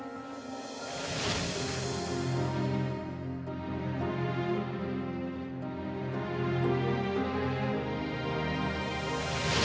nanti ibu mau pelangi